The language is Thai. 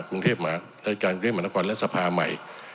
กรุงเทพหมาและการเกลียดมนตรกรและสภาใหม่